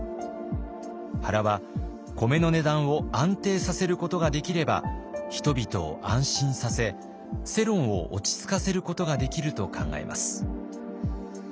原は米の値段を安定させることができれば人々を安心させ世論を落ち着かせることができると考えます。